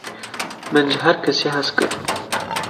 min ji herkesî hez kir